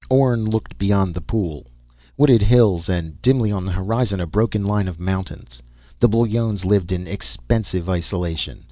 Orne looked beyond the pool: wooded hills and, dimly on the horizon, a broken line of mountains. The Bullones lived in expensive isolation.